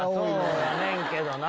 そうやねんけどな。